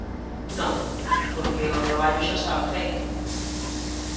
Non, porque o traballo xa estaba feito.